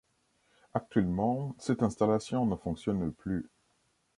Actuellement cette installation ne fonctionne plus.